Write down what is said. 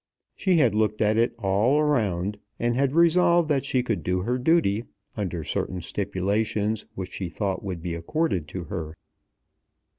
She had looked at it all round, and had resolved that she could do her duty under certain stipulations which she thought would be accorded to her.